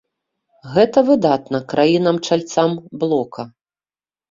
Гэта выгадна краінам-чальцам блока.